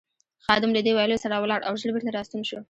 خادم له دې ویلو سره ولاړ او ژر بېرته راستون شو.